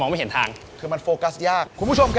อันตรายเลยหรอ